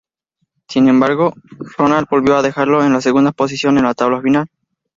Sin embargo, Rahal volvió a dejarlo en la segunda posición en la tabla final.